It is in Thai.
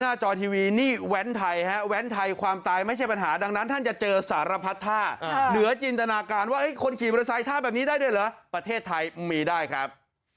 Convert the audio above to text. จอทีวีนี่แว้นไทยฮะแว้นไทยความตายไม่ใช่ปัญหาดังนั้นท่านจะเจอสารพัดท่าเหนือจินตนาการว่าคนขี่มอเตอร์ไซค์ท่าแบบนี้ได้ด้วยเหรอประเทศไทยมีได้ครับ